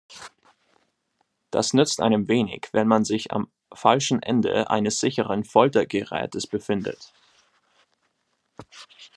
Das nützt einem wenig, wenn man sich am falschen Ende eines sicheren Foltergerätes befindet.